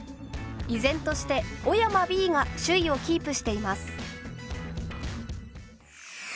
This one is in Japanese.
依然として小山Ｂが首位をキープしています。